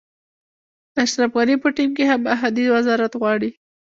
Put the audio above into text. د اشرف غني په ټیم کې هم احدي وزارت غواړي.